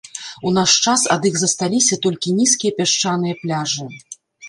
У наш час ад іх засталіся толькі нізкія пясчаныя пляжы.